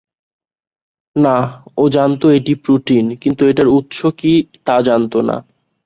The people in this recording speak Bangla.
না, ও জানত এটা প্রোটিন, কিন্তু এটার উৎস কী তা জানত না।